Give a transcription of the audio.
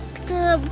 kita kena mencoba